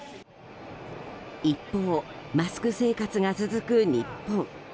一方、マスク生活が続く日本。